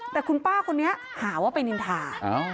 แต่คุณป้าคนนี้หาว่าไปนินทา